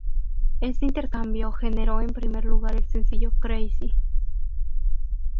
Este intercambio generó en primer lugar el sencillo "Crazy".